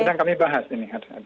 sedang kami bahas ini